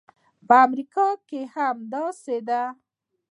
په امریکا کې هم همداسې ده.